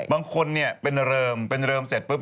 บางคนเนี่ยเป็นเริมเป็นเริมเสร็จปุ๊บ